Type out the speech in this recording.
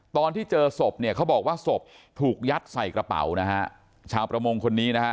ตอนที่เจอศพเนี่ยเขาบอกว่าศพถูกยัดใส่กระเป๋านะฮะชาวประมงคนนี้นะฮะ